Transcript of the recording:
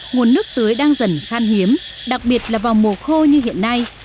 nguồn nước tưới đang dần khan hiếm đặc biệt là vào mùa khô như hiện nay